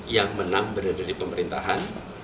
yang menang berada di pemerintahan